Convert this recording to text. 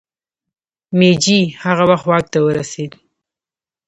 مېجي هغه وخت واک ته ورسېد.